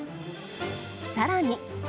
さらに。